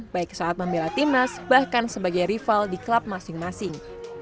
baik saat membela timnas bahkan sebagai rival di klub masing masing